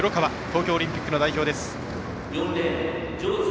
東京オリンピック代表です。